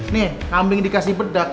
nih kambing dikasih bedak